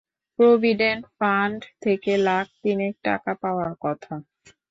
Provident fund থেকে লাখ তিনেক টাকা পাওয়ার কথা।